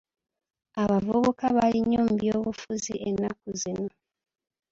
Abavubuka bali nnyo mu by'obufuzi ennaku zino.